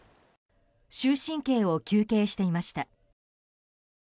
終身刑を求刑していました。